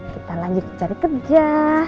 kita lanjut cari kerja